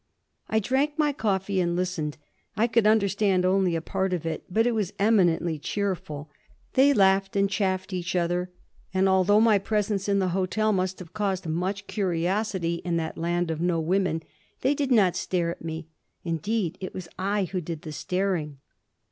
I drank my coffee and listened. I could understand only a part of it, but it was eminently cheerful. They laughed, chaffed each other, and although my presence in the hotel must have caused much curiosity in that land of no women, they did not stare at me. Indeed, it was I who did the gazing.